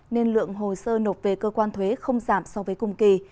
nên lượng hồ sơ nộp về cơ quan thuế không giảm so với cùng kỳ